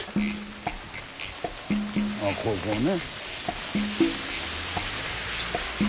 あここね。